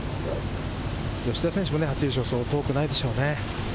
吉田選手も初優勝はそう遠くないでしょうね。